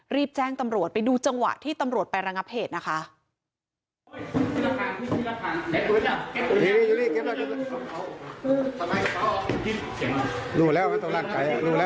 รีบแจ้งตำรวจไปดูจังหวะที่ตำรวจไประงับเหตุนะคะ